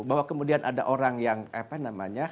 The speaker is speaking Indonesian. bahwa kemudian ada orang yang apa namanya